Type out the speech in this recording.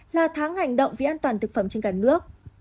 là tháng hành động vì an toàn thực phẩm trên cả nước